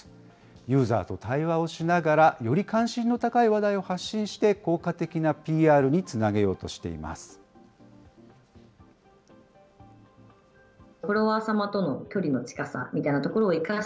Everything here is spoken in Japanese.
ユーザーと対話をしながら、より関心の高い話題を発信して、効果的なＰＲにつなげようとしています。